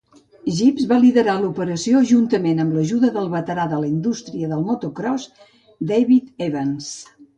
Gibbs va liderar l'operació juntament amb l'ajuda del veterà de la indústria del motocròs David Evans.